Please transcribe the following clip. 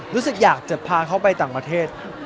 รู้สึกอยากจะพาเขาไปต่างประเทศ